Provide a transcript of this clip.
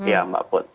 ya mbak put